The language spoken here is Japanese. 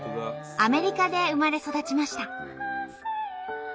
アメリカで生まれ育ちました。